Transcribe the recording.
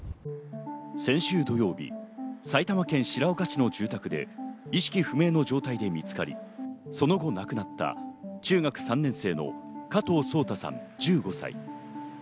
先週土曜日、埼玉県白岡市の住宅で意識不明の重体で見つかり、その後亡くなった中学３年生の加藤颯太さん、１５歳。